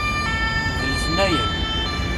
D letnayen.